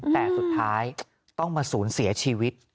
แต่สุดท้ายต้องมาศูนย์เสียชีวิต